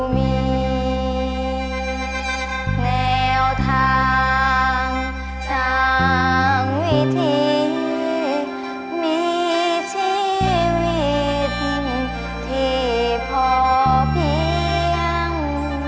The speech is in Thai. สร้างสร้างวิธีมีชีวิตที่พอเพียง